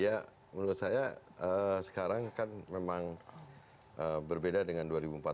ya menurut saya sekarang kan memang berbeda dengan dua ribu empat belas